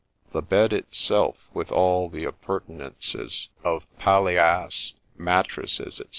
The bed itself, with all the appurtenances of palliasse, mattresses, &c.